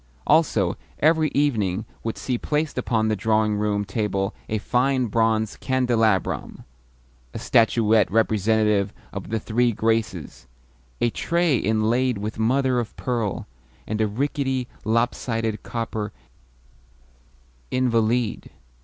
Also, every evening would see placed upon the drawing room table a fine bronze candelabrum, a statuette representative of the Three Graces, a tray inlaid with mother of pearl, and a rickety, lop sided copper invalide.